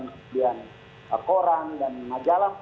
kemudian koran dan majalah